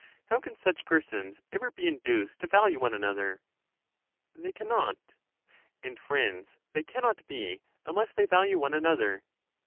How can such persons ever be induced to value one another? They can not. And friends they can not be, unless they value one another?